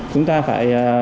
chúng ta phải